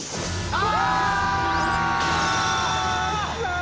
あ！